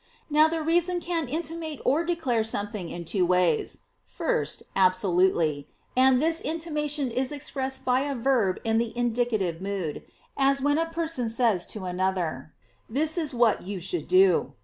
Now the reason can intimate or declare something in two ways. First, absolutely: and this intimation is expressed by a verb in the indicative mood, as when one person says to another: "This is what you should do."